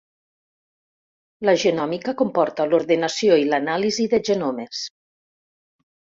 La genòmica comporta l'ordenació i l'anàlisi de genomes.